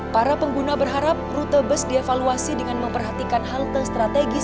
para pengguna berharap rute bus dievaluasi dengan memperhatikan hal hal yang terjadi di dalam kondisi bus